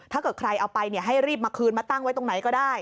ถ้าเกิดใครเอาไปให้รีบมาคืนมาตั้งไว้ตรงไหนก็ได้